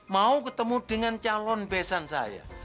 mau ketemu dengan calon besan saya